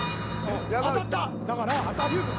当たった！